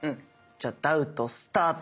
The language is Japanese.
じゃ「ダウト」スタート！